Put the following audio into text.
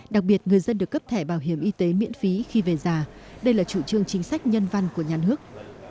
đặc biệt người dân được cấp thẻ bảo hiểm y tế miễn phí khi về già đây là chủ trương chính sách nhân văn của nhà nước